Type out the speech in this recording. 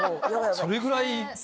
それぐらい。